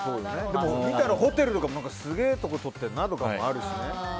でも見たらホテルとかもすげえところとっているなとかあるしね。